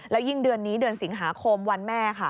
แล้วยิ่งเดือนนี้เดือนสิงหาคมวันแม่ค่ะ